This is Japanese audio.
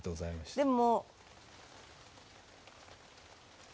でも